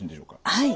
はい。